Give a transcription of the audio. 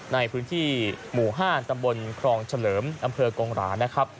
ในพื้นที่หมู่๕ตำบลครองเฉลิมอกรงหาร่า